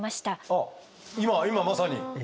あっ今今まさに。